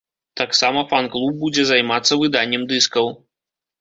Таксама фан-клуб будзе займацца выданнем дыскаў.